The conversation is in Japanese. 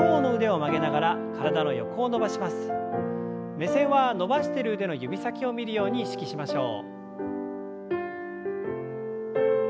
目線は伸ばしている腕の指先を見るように意識しましょう。